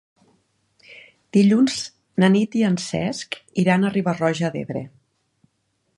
Dilluns na Nit i en Cesc iran a Riba-roja d'Ebre.